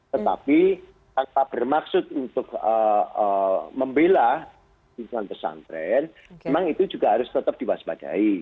tetapi tanpa bermaksud untuk membela perusahaan pesantren memang itu juga harus tetap diwaspadai